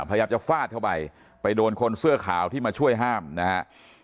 พยายามจะฟาดเข้าไปไปโดนคนเสื้อขาวที่มาช่วยห้ามนะฮะ